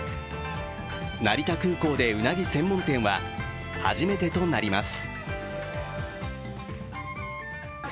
成田空港で、うなぎ専門店は初めてとなります。